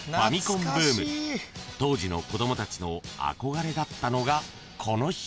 ［当時の子供たちの憧れだったのがこの人］